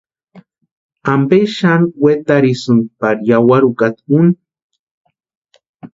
¿Ampe xani wetarhisïnki pari yawarhi úkata úni?